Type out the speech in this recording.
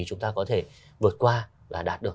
chúng ta có thể vượt qua và đạt được